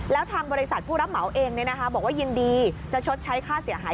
แล้วทางบริษัทผู้รับเหมาเองบอกว่ายินดีจะชดใช้ค่าเสียหาย